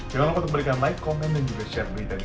jangan lupa untuk berikan like komen dan juga share berita ini